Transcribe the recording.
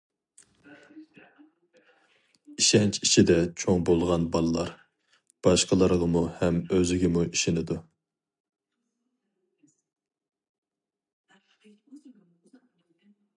ئىشەنچ ئىچىدە چوڭ بولغان بالىلار، باشقىلارغىمۇ ھەم ئۆزىگىمۇ ئىشىنىدۇ.